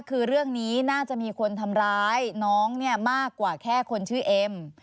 คือเรื่องนี้น่าจะมีคนทำร้ายน้องเนี่ยมากกว่าแค่คนชื่อเอ็ม